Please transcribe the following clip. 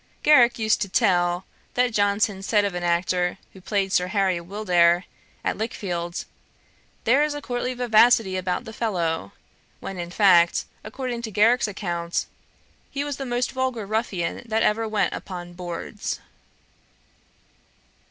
Garrick used to tell, that Johnson said of an actor, who played Sir Harry Wildair at Lichfield, 'There is a courtly vivacity about the fellow;' when in fact, according to Garrick's account, 'he was the most vulgar ruffian that ever went upon boards.'